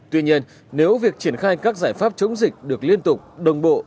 tuy nhiên nếu việc triển khai các giải pháp chống dịch được liên tục đồng bộ